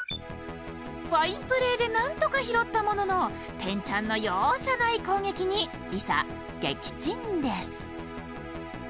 ファインプレーでなんとか拾ったものの天ちゃんの容赦ない攻撃に理佐撃沈です